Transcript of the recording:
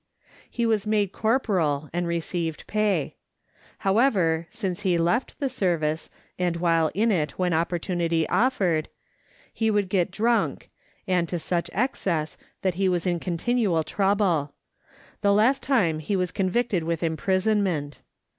He was made corporal and received pay. However, since he left the service and while in it when opportunity offered, he would get drunk, and to such excess that he was in continual trouble ; the last time he was convicted with imprisonment.